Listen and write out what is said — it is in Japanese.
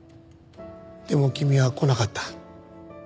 でも君は来なかった。